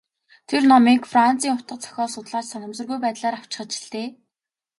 Тэр номыг Францын утга зохиол судлаач санамсаргүй байдлаар авчхаж л дээ.